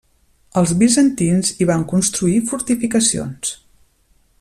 Els bizantins hi van construir fortificacions.